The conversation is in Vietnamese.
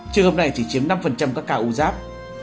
trường hợp này chỉ chiếm năm các ca u giáp